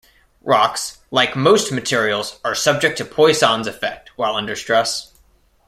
Rocks, like most materials, are subject to Poisson's effect while under stress.